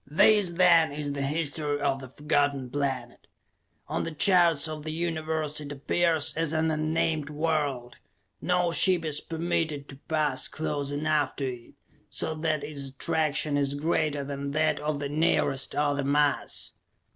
This, then, is the history of the Forgotten Planet. On the charts of the Universe it appears as an unnamed world. No ship is permitted to pass close enough to it so that its attraction is greater than that of the nearest other mass.